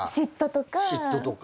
嫉妬とか。